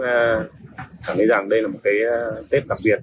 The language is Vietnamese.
cảm thấy rằng đây là một cái tết đặc biệt